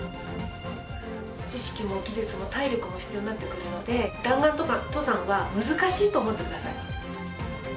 知識も技術も体力も必要になってくるので、弾丸登山は難しいと思ってください。